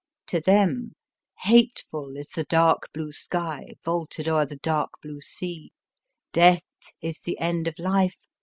To them, Hateful is tlie dark bine sky, Vaulted o'er tlie dark blue sea ; Death is the end of life.